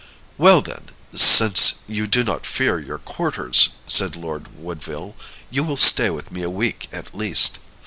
"Well, then, since you do not fear your quarters," said Lord Woodville, "you will stay with me a week at least.